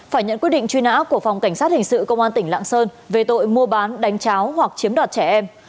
phải nhận quyết định truy nã của phòng cảnh sát hình sự công an tỉnh lạng sơn về tội mua bán đánh cháo hoặc chiếm đoạt trẻ em